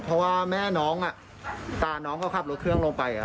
เพราะว่าแม่น้องตาน้องเขาขับรถเครื่องลงไป